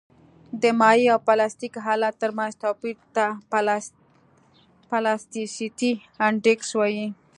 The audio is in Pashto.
د مایع او پلاستیک حالت ترمنځ توپیر ته پلاستیسیتي انډیکس وایي